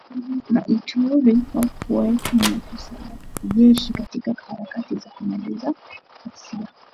na Ituri na kuwaweka maafisa wa kijeshi katika harakati za kumaliza ghasia.